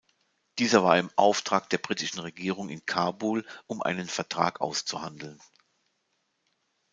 Dieser war im Auftrag der britischen Regierung in Kabul, um einen Vertrag auszuhandeln.